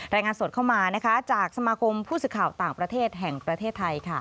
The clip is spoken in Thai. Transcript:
รายงานสดเข้ามาจากสมาคมผู้สื่อข่าวต่างประเทศแห่งประเทศไทย